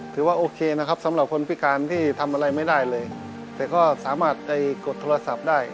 ถือว่าโอเคนะครับสำหรับคนพิการที่ทำอะไรไม่ได้เลยแต่ก็สามารถไปกดโทรศัพท์ได้